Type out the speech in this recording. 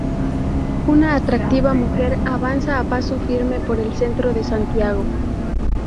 Una atractiva mujer avanza a paso firme por el centro de Santiago.